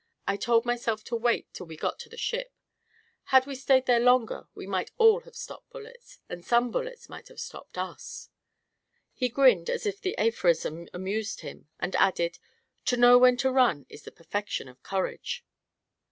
I told myself to wait till we got to the ship. Had we stayed there longer, we might all have stopped bullets and some bullets might have stopped us." He grinned, as if the aphorism amused him, and added: "To know when to run is the perfection of courage."